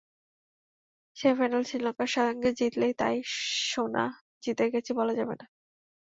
সেমিফাইনালে শ্রীলঙ্কার সঙ্গে জিতলেই তাই সোনা জিতে গেছি বলা যাবে না।